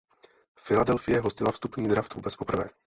Filadelfie hostila vstupní draft vůbec poprvé.